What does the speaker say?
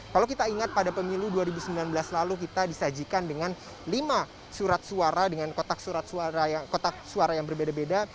kalau kita ingat pada pemilu dua ribu sembilan belas lalu kita disajikan dengan lima surat suara dengan kotak suara yang berbeda beda